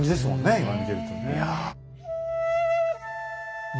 今見てるとね。